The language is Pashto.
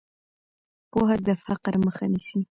پوهه د فقر مخه نیسي.